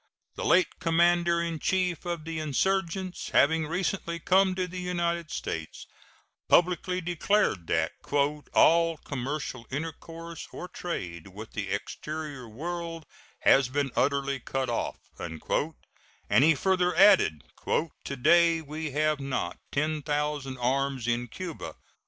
The late commander in chief of the insurgents, having recently come to the United States, publicly declared that "all commercial intercourse or trade with the exterior world has been utterly cut off;" and he further added: "To day we have not 10,000 arms in Cuba."